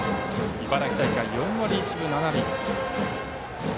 茨城大会は４割１分７厘。